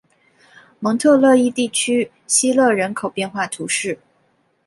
蒙特勒伊地区希勒人口变化图示